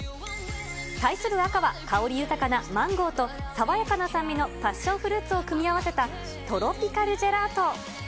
対する赤は、香り豊かなマンゴーと、爽やかな酸味のパッションフルーツを組み合わせたトロピカルジェラート。